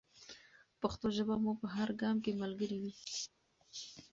پښتو ژبه مو په هر ګام کې ملګرې وي.